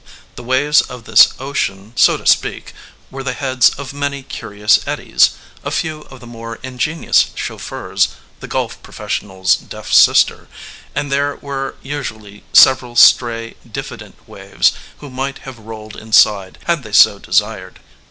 The waves of this ocean, so to speak, were the heads of many curious caddies, a few of the more ingenious chauffeurs, the golf professional's deaf sister and there were usually several stray, diffident waves who might have rolled inside had they so desired.